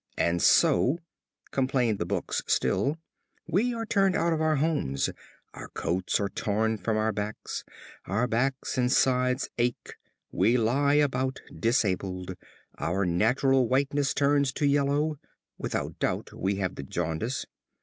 And so," complain the books still, "we are turned out of our homes, our coats are torn from our backs, our backs and sides ache, we lie about disabled, our natural whiteness turns to yellow without doubt we have the jaundice.